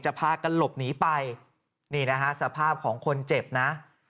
พากันหลบหนีไปนี่นะฮะสภาพของคนเจ็บนะ